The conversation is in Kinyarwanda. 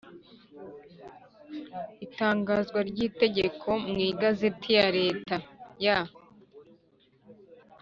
itangazwa ry iri tegeko mu Igazeti ya Leta ya